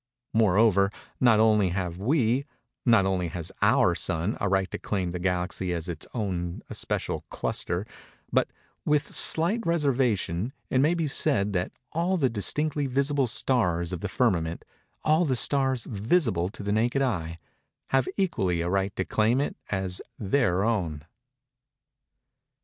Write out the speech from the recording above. Moreover, not only have we—not only has our Sun a right to claim the Galaxy as its own especial cluster, but, with slight reservation, it may be said that all the distinctly visible stars of the firmament—all the stars Visible to the naked eye—have equally a right to claim it as their own.